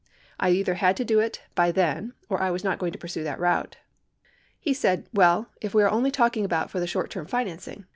I either had to do it by then or I was not going to pursue that route. He said, well, if we are only talking about for the short term financing.